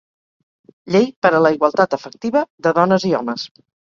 Llei per a la igualtat efectiva de dones i homes